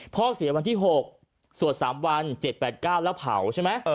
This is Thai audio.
พ่อเสียวันที่๖สวด๓วัน๗๘๙แล้วเผาใช่ไหม